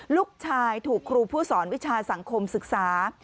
ลูกชายถูกครูผู้สอนวิชาสังคมศึกษา